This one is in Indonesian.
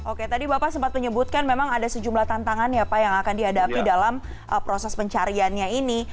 oke tadi bapak sempat menyebutkan memang ada sejumlah tantangan ya pak yang akan dihadapi dalam proses pencariannya ini